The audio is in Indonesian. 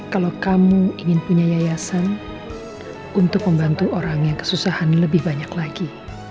kalau kamu ingin punya yayasan untuk membantu orang yang kesusahan lebih banyak lagi